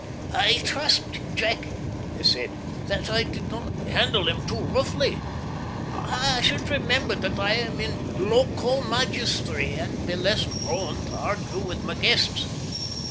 "I trust, Jack," he said, "that I did not handle him too roughly. I should remember that I am in loco magistri, and be less prone to argue with my guests.